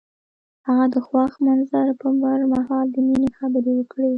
هغه د خوښ منظر پر مهال د مینې خبرې وکړې.